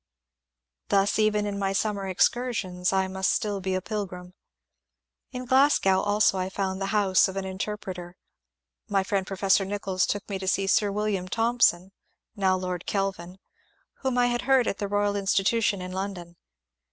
Thus even in my summer excursions I must stiU be a pil grim. In Glasgow also I found the House of an Interpreter. My friend Professor Nichols took me to see Sir William Thomson (now Lord Kelvin), whom I had heard at the Royal Institution in London.